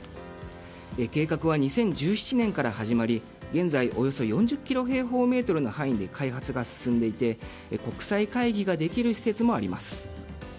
計画は２０１７年から始まり現在およそ４０キロ平方メートルの範囲で開発が進んでいて国際会議ができる施設もあります。